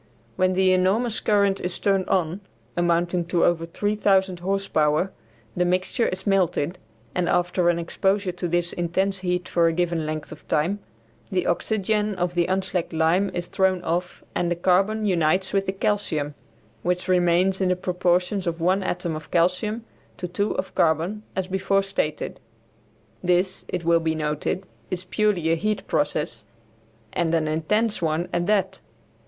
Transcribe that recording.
When the enormous current is turned on (amounting to over 3000 horse power) the mixture is melted, and after an exposure to this intense heat for a given length of time the oxygen of the unslacked lime is thrown off and the carbon unites with the calcium, which remains in the proportions of one atom of calcium to two of carbon, as before stated. This, it will be noted, is purely a heat process, and an intense one at that.